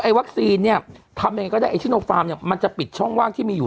ไอ้วัคซีนเนี้ยทำยังไงก็ได้ไอ้เนี้ยมันจะปิดช่องว่างที่มีอยู่